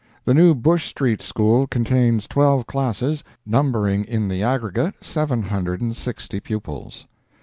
The new Bush Street School contains twelve classes, numbering in the aggregate seven hundred and sixty pupils.